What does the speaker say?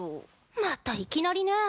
またいきなりね。